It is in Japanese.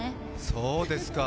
そうですか。